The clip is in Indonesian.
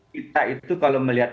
kita itu kalau melihat